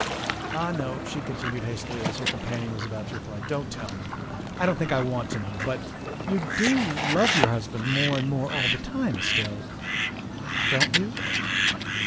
"Ah, no," she continued hastily, as her companion was about to reply, " don't tell me. I don't think I want to know. But you do love your husband more and more all the time, Estelle, don't you?"